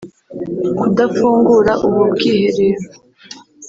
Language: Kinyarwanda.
Kudafungura ubu bwiherero